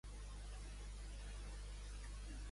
Contemporàniament, molts adis s'han convertit al cristianisme.